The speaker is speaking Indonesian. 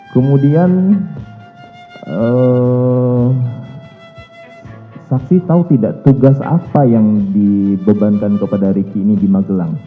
kemudian saksi tahu tidak tugas apa yang dibebankan kepada riki ini di magelang